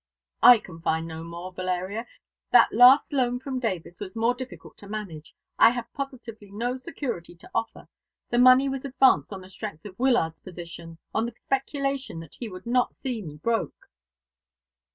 "I can find no more, Valeria. That last loan from Davis was most difficult to manage. I had positively no security to offer. The money was advanced on the strength of Wyllard's position, on the speculation that he would not see me broke."